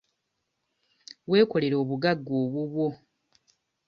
Weekolere obugagga obubwo.